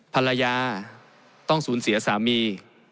ภรรยาต้องสูญเสียสามี